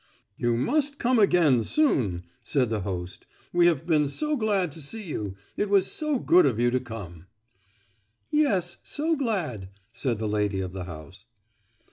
"You must come again soon!" said the host; "we have been so glad to see you; it was so good of you to come!" "Yes, so glad!" said the lady of the house.